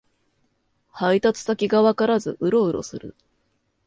配達先がわからずウロウロする